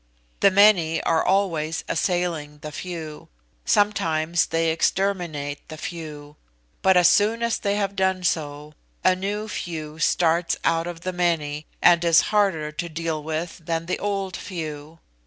The many are always assailing the few; sometimes they exterminate the few; but as soon as they have done so, a new few starts out of the many, and is harder to deal with than the old few.